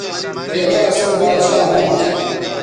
چہء او اسوں باچھا ھونݜ